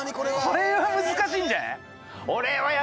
これは難しいんじゃない？